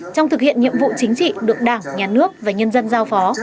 trong thực hiện nhiệm vụ chính trị được đảng nhà nước và nhân dân giao phó